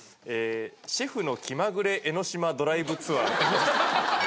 シェフのきまぐれ江ノ島ドライブツアー。